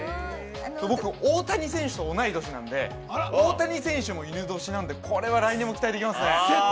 僕、大谷先生と同い年なんで、大谷選手もいぬ年なんで、これは来年も期待できますね。